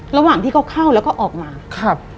ระหว่างที่เขาเข้าแล้วก็ออกมาครับ